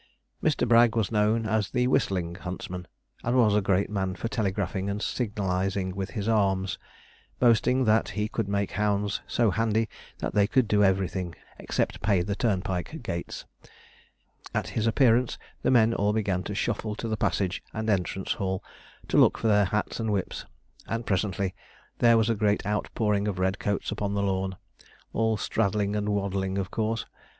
Mr. Bragg was known as the whistling huntsman, and was a great man for telegraphing and signalizing with his arms, boasting that he could make hounds so handy that they could do everything, except pay the turnpike gates. At his appearance the men all began to shuffle to the passage and entrance hall, to look for their hats and whips; and presently there was a great outpouring of red coats upon the lawn, all straddling and waddling of course.